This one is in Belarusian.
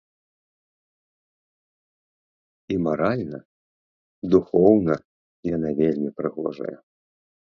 І маральна, духоўна яна вельмі прыгожая.